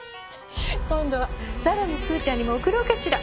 今度は奈良のスーちゃんにも送ろうかしら。